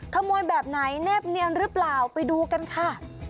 ขโมยแบบไหนแนบเนียนหรือเปล่าไปดูกันค่ะ